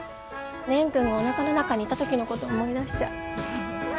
蓮くんがおなかの中にいた時のこと思い出しちゃう。